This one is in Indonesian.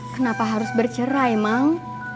kenapa harus bercerai emang